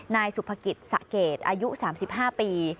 นายสุภกิจสะเกดอายุ๓๕ปี